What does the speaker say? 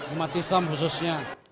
umat islam khususnya